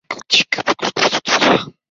里勒河畔拉费里耶尔人口变化图示